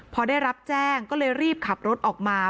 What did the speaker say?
พอได้รับแจ้งก็เลยรีบขับรถออกมา